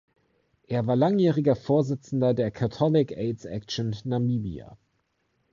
Er war langjähriger Vorsitzender der Catholic Aids Action, Namibia.